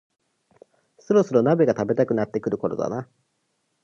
そろそろ鍋が食べたくなってくるころだな